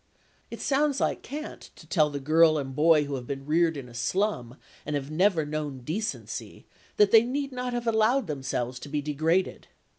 It sounds like cant to tell the girl and boy who have been reared in a slum and have never known decency that they need not have allowed themselves to be degraded.